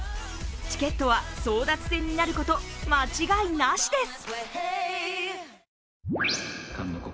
チケットは争奪戦になること間違いなしです。